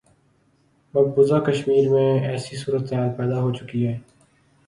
مقبوضہ کشمیر میں ایسی صورتحال پیدا ہو چکی ہے۔